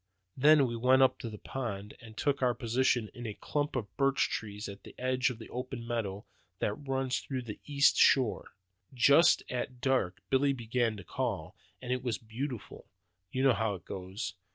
Then we went up to the pond, and took our position in a clump of birch trees on the edge of the open meadow that runs round the east shore. Just at dark Billy began to call, and it was beautiful. You know how it goes.